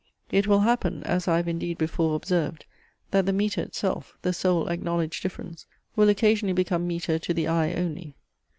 It will happen, as I have indeed before observed, that the metre itself, the sole acknowledged difference, will occasionally become metre to the eye only.